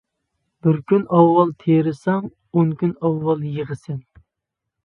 بىر كۈن ئاۋۋال تېرىساڭ، ئون كۈن ئاۋۋال يىغىسەن.